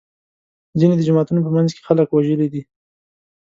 ځینې د جوماتونو په منځ کې خلک وژلي دي.